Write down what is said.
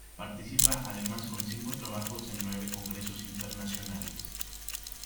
Participa además con cinco trabajos en nueve Congresos Internacionales.